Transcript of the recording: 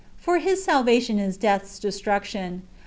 For liis salvation is death's destruction.